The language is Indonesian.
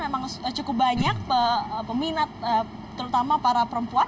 memang cukup banyak peminat terutama para perempuan